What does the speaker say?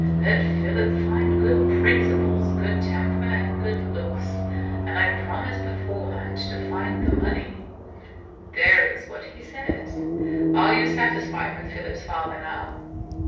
'Let Philip find good principles, good temper, and good looks; and I promise beforehand to find the money.' There is what he says. Are you satisfied with Philip's father, now?"